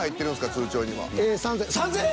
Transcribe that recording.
通帳には。